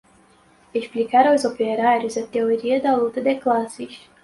explicar aos operários a teoria da luta de classes